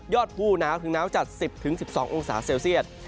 ยอดภูมิน้าถึงน้าวจัด๑๐๑๒องศาเซียต